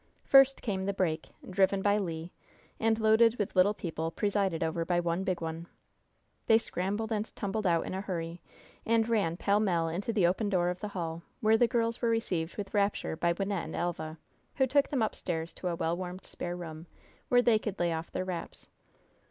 First came the "break," driven by Le, and loaded with little people presided over by one big one. They scrambled and tumbled out in a hurry, and ran pellmell into the open door of the hall, where the girls were received with rapture by Wynnette and Elva, who took them upstairs to a well warmed spare room, where they could lay off their wraps.